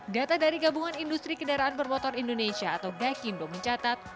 data dari gabungan industri kendaraan permotor indonesia atau gakindo mencatat